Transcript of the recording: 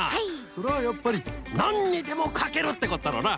それはやっぱりなんにでもかけるってことだろうな。